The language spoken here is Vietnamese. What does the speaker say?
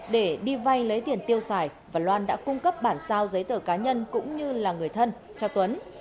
để đi vay lấy tiền tiêu xài và loan đã cung cấp bản sao giấy tờ cá nhân cũng như là người thân cho tuấn